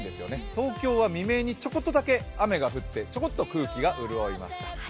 東京は未明にちょこっとだけ雨が降ってちょこっと空気が潤いました。